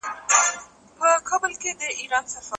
ستا د لیاقت د اثبات لپاره ښه لاره وي.